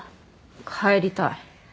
帰りたい。